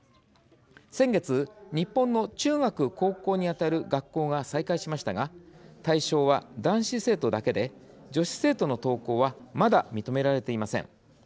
先月日本の中学・高校にあたる学校が再開しましたが対象は男子生徒だけで女子生徒の登校はまだ認められていません。